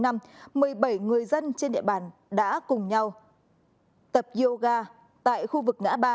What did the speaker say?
một mươi bảy người dân trên địa bàn đã cùng nhau tập yoga tại khu vực ngã ba